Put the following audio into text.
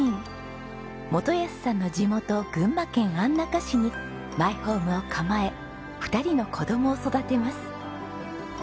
基保さんの地元群馬県安中市にマイホームを構え２人の子供を育てます。